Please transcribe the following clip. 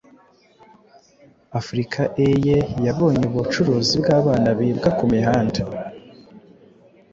africa eye yabonye ubucuruzi bw'abana bibwa ku mihanda,